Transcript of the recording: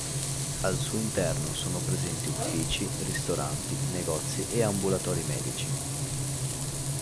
Al suo interno sono presenti uffici, ristoranti, negozi e ambulatori medici.